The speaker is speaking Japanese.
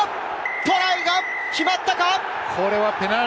トライが決まったか？